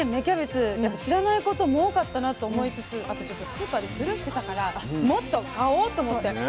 キャベツやっぱ知らないことも多かったなと思いつつあとちょっとスーパーでスルーしてたからもっと買おうと思って。